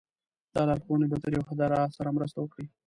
دا لارښوونې به تر یوه حده راسره مرسته وکړي.